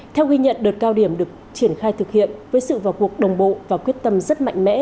theo ghi nhận đợt cao điểm được triển khai thực hiện với sự vào cuộc đồng bộ và quyết tâm rất mạnh mẽ